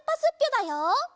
だよ。